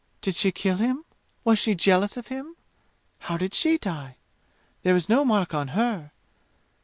Did she kill him? Was she jealous of him? How did she die? There is no mark on her!